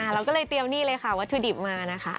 เราก็เลยเตรียมนี่เลยค่ะวัตถุดิบมานะคะ